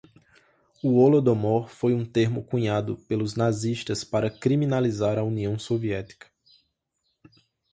O holodomor foi um termo cunhado pelos nazistas para criminalizar a União Soviética